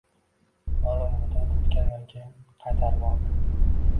Ma’lum muddat o’tgandan keyin qaytarib oldim.